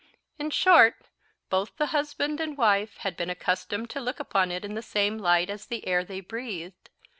In short, both the husband and wife had been accustomed to look upon it in the same light as the air they breathed.